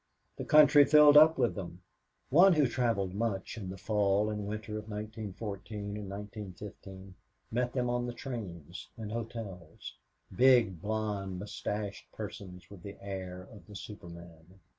The country filled up with them. One who traveled much in the fall and winter of 1914 and 1915 met them on the trains, in hotels big, blond, mustached persons with the air of the superman.